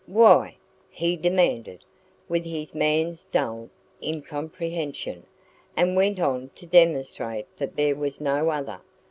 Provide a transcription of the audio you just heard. "Why?" he demanded, with his man's dull incomprehension, and went on to demonstrate that there was no other.